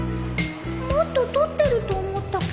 もっと撮ってると思ったけど